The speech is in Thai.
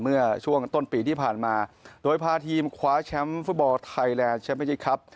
เมื่อช่วงต้นปีที่ผ่านมาโดยพาทีมคว้าแชมป์ฟุตบอลไทยแลนด์แชมเมจิกครับ